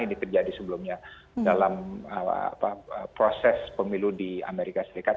ini terjadi sebelumnya dalam proses pemilu di amerika serikat